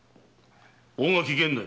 大垣源内。